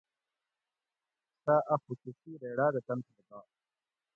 سہ اۤ خصوصی ریڑاۤ دہ تن پھر گا